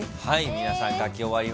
皆さん書き終わりました。